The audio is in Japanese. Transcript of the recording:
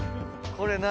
これ何？